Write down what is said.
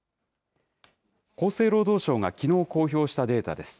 厚生労働省がきのう公表したデータです。